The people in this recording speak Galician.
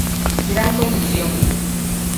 Gran conclusión.